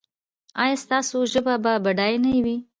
ایا ستاسو ژبه به بډایه نه وي؟